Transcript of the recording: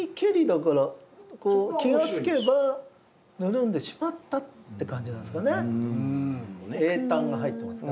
だから気が付けばぬるんでしまったって感じなんですかね。